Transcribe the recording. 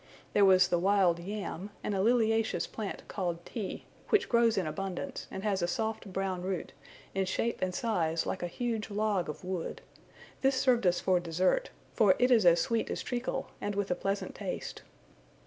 There was the wild yam, and a liliaceous plant called Ti, which grows in abundance, and has a soft brown root, in shape and size like a huge log of wood: this served us for dessert, for it is as sweet as treacle, and with a pleasant taste.